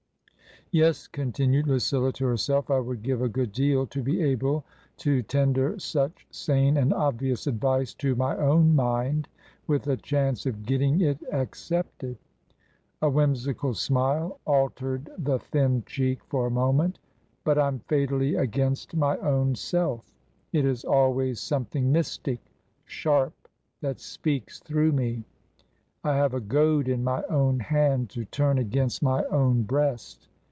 " Yes," continued Lucilla to herself, " I would give a good deal to be able to tender such sane and obvious advice to my own mind — with a chance of getting it accepted !" A whimsical smile altered the thin cheek for a moment. " But I'm fatally against my own self. It is TRANSITION. 239 always something mystic — sharp — ^that speaks through me. I have a goad in my own hand to turn against my own breast.